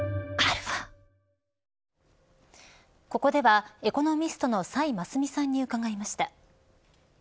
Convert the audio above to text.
ここではエコノミストの崔真淑さんに伺いました。